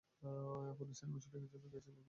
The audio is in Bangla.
কোন সিনেমার শ্যুটিংয়ের জন্য গিয়েছিলি তুই?